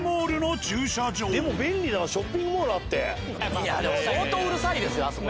ここは相当うるさいですよあそこ。